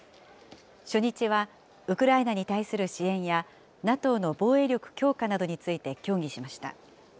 初日は、ウクライナに対する支援や、ＮＡＴＯの防衛力強化などについて協議しました。